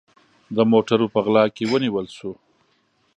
د موټروپه غلا کې ونیول سو